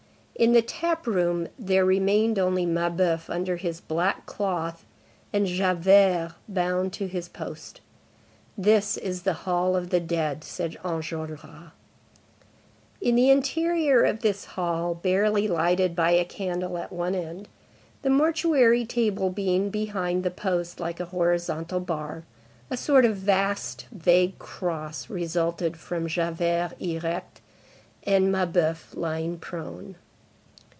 In the tap room there remained only Mabeuf under his black cloth and Javert bound to his post. "This is the hall of the dead," said Enjolras. In the interior of this hall, barely lighted by a candle at one end, the mortuary table being behind the post like a horizontal bar, a sort of vast, vague cross resulted from Javert erect and Mabeuf lying prone.